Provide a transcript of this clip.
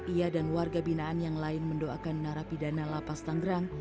ia dan warga binaan yang lain mendoakan narapidana lapas tanggerang